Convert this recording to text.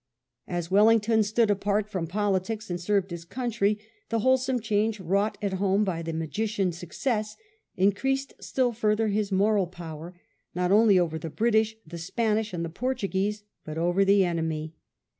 As Wellington stood apart from politics and served his country, the wholesome change wrought at home by the magician success, increased still further his moral power, not only over the British, the Spaniards, and the Portuguese, but over the enemy.